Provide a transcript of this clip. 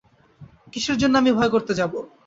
কিসের জন্যে আমি ভয় করতে যাব?